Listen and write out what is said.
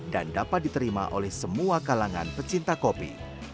dan dapat diterima oleh semua kalangan pecinta kopi